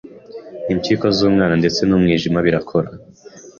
impyiko z’umwana ndetse n’umwijima birakora